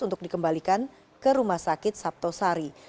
untuk dikembalikan ke rumah sakit sabto sari